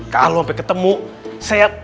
kalau sampe ketemu saya